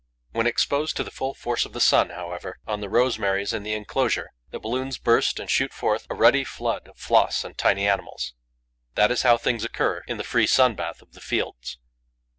When exposed to the full force of the sun, however, on the rosemaries in the enclosure, the balloons burst and shoot forth a ruddy flood of floss and tiny animals. That is how things occur in the free sun bath of the fields.